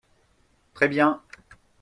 Très bien